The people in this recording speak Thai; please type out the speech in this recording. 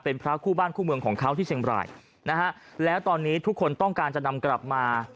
เป็นพระคู่บ้านคู่เมืองของเขาที่เชียงบรายนะฮะแล้วตอนนี้ทุกคนต้องการจะนำกลับมา